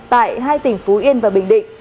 tại hai tỉnh phú yên và bình định